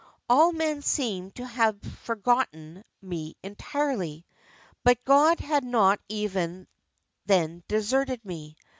All men seemed to have forgotten me entirely, but God had not even then deserted me.